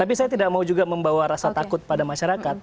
tapi saya tidak mau juga membawa rasa takut pada masyarakat